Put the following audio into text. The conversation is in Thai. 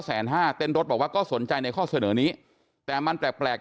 ห้าเต้นรถบอกว่าก็สนใจในข้อเสนอนี้แต่มันแปลกแปลก